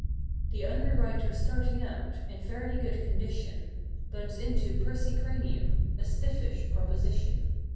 The underwriter starting out, in fairly good condi¬ tion. Bumps into Percy Cranium—a stiffish proposition.